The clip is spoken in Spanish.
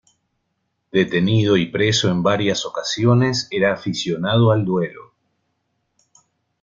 Detenido y preso en varias ocasiones, era aficionado al duelo.